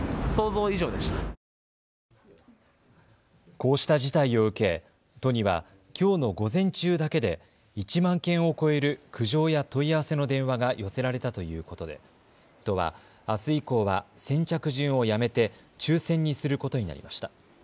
こうした事態を受け都には、きょうの午前中だけで１万件を超える苦情や問い合わせの電話が寄せられたということで都は、あす以降は先着順をやめて抽せんにすることになりました。